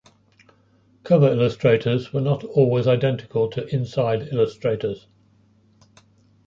Cover illustrators were not always identical to inside illustrators.